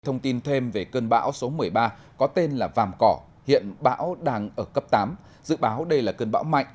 thông tin thêm về cơn bão số một mươi ba có tên là vàm cỏ hiện bão đang ở cấp tám dự báo đây là cơn bão mạnh